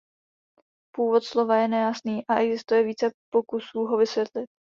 Původ slova je nejasný a existuje více pokusů ho vysvětlit.